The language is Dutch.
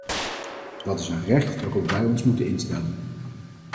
Dat is een recht waarop wij ons moeten instellen.